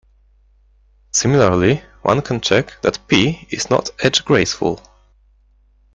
Similarly, one can check that "P" is not edge-graceful.